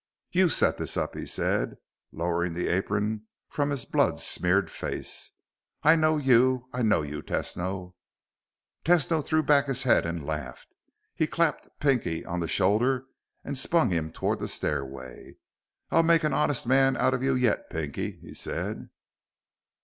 "You set this up," he said, lowering the apron from his blood smeared face. "I know you. I know you, Tesno." Tesno threw back his head and laughed. He clapped Pinky on the shoulder and spun him toward the stairway. "I'll make an honest man of you yet, Pinky," he said.